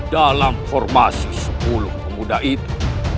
dalam formasi sepuluh pemuda itu